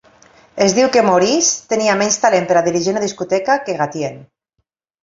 Es diu que Maurice tenia menys talent per a dirigir una discoteca que Gatien.